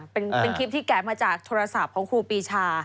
เป็นคลิปที่แกะมาจากโทรศัพท์ของครูปีชา